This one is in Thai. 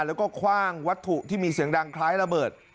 แล้วก็คว่างวัตถุที่มีเสียงดังคล้ายระเบิด